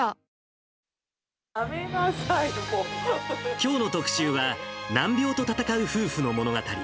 きょうの特集は、難病と闘う夫婦の物語。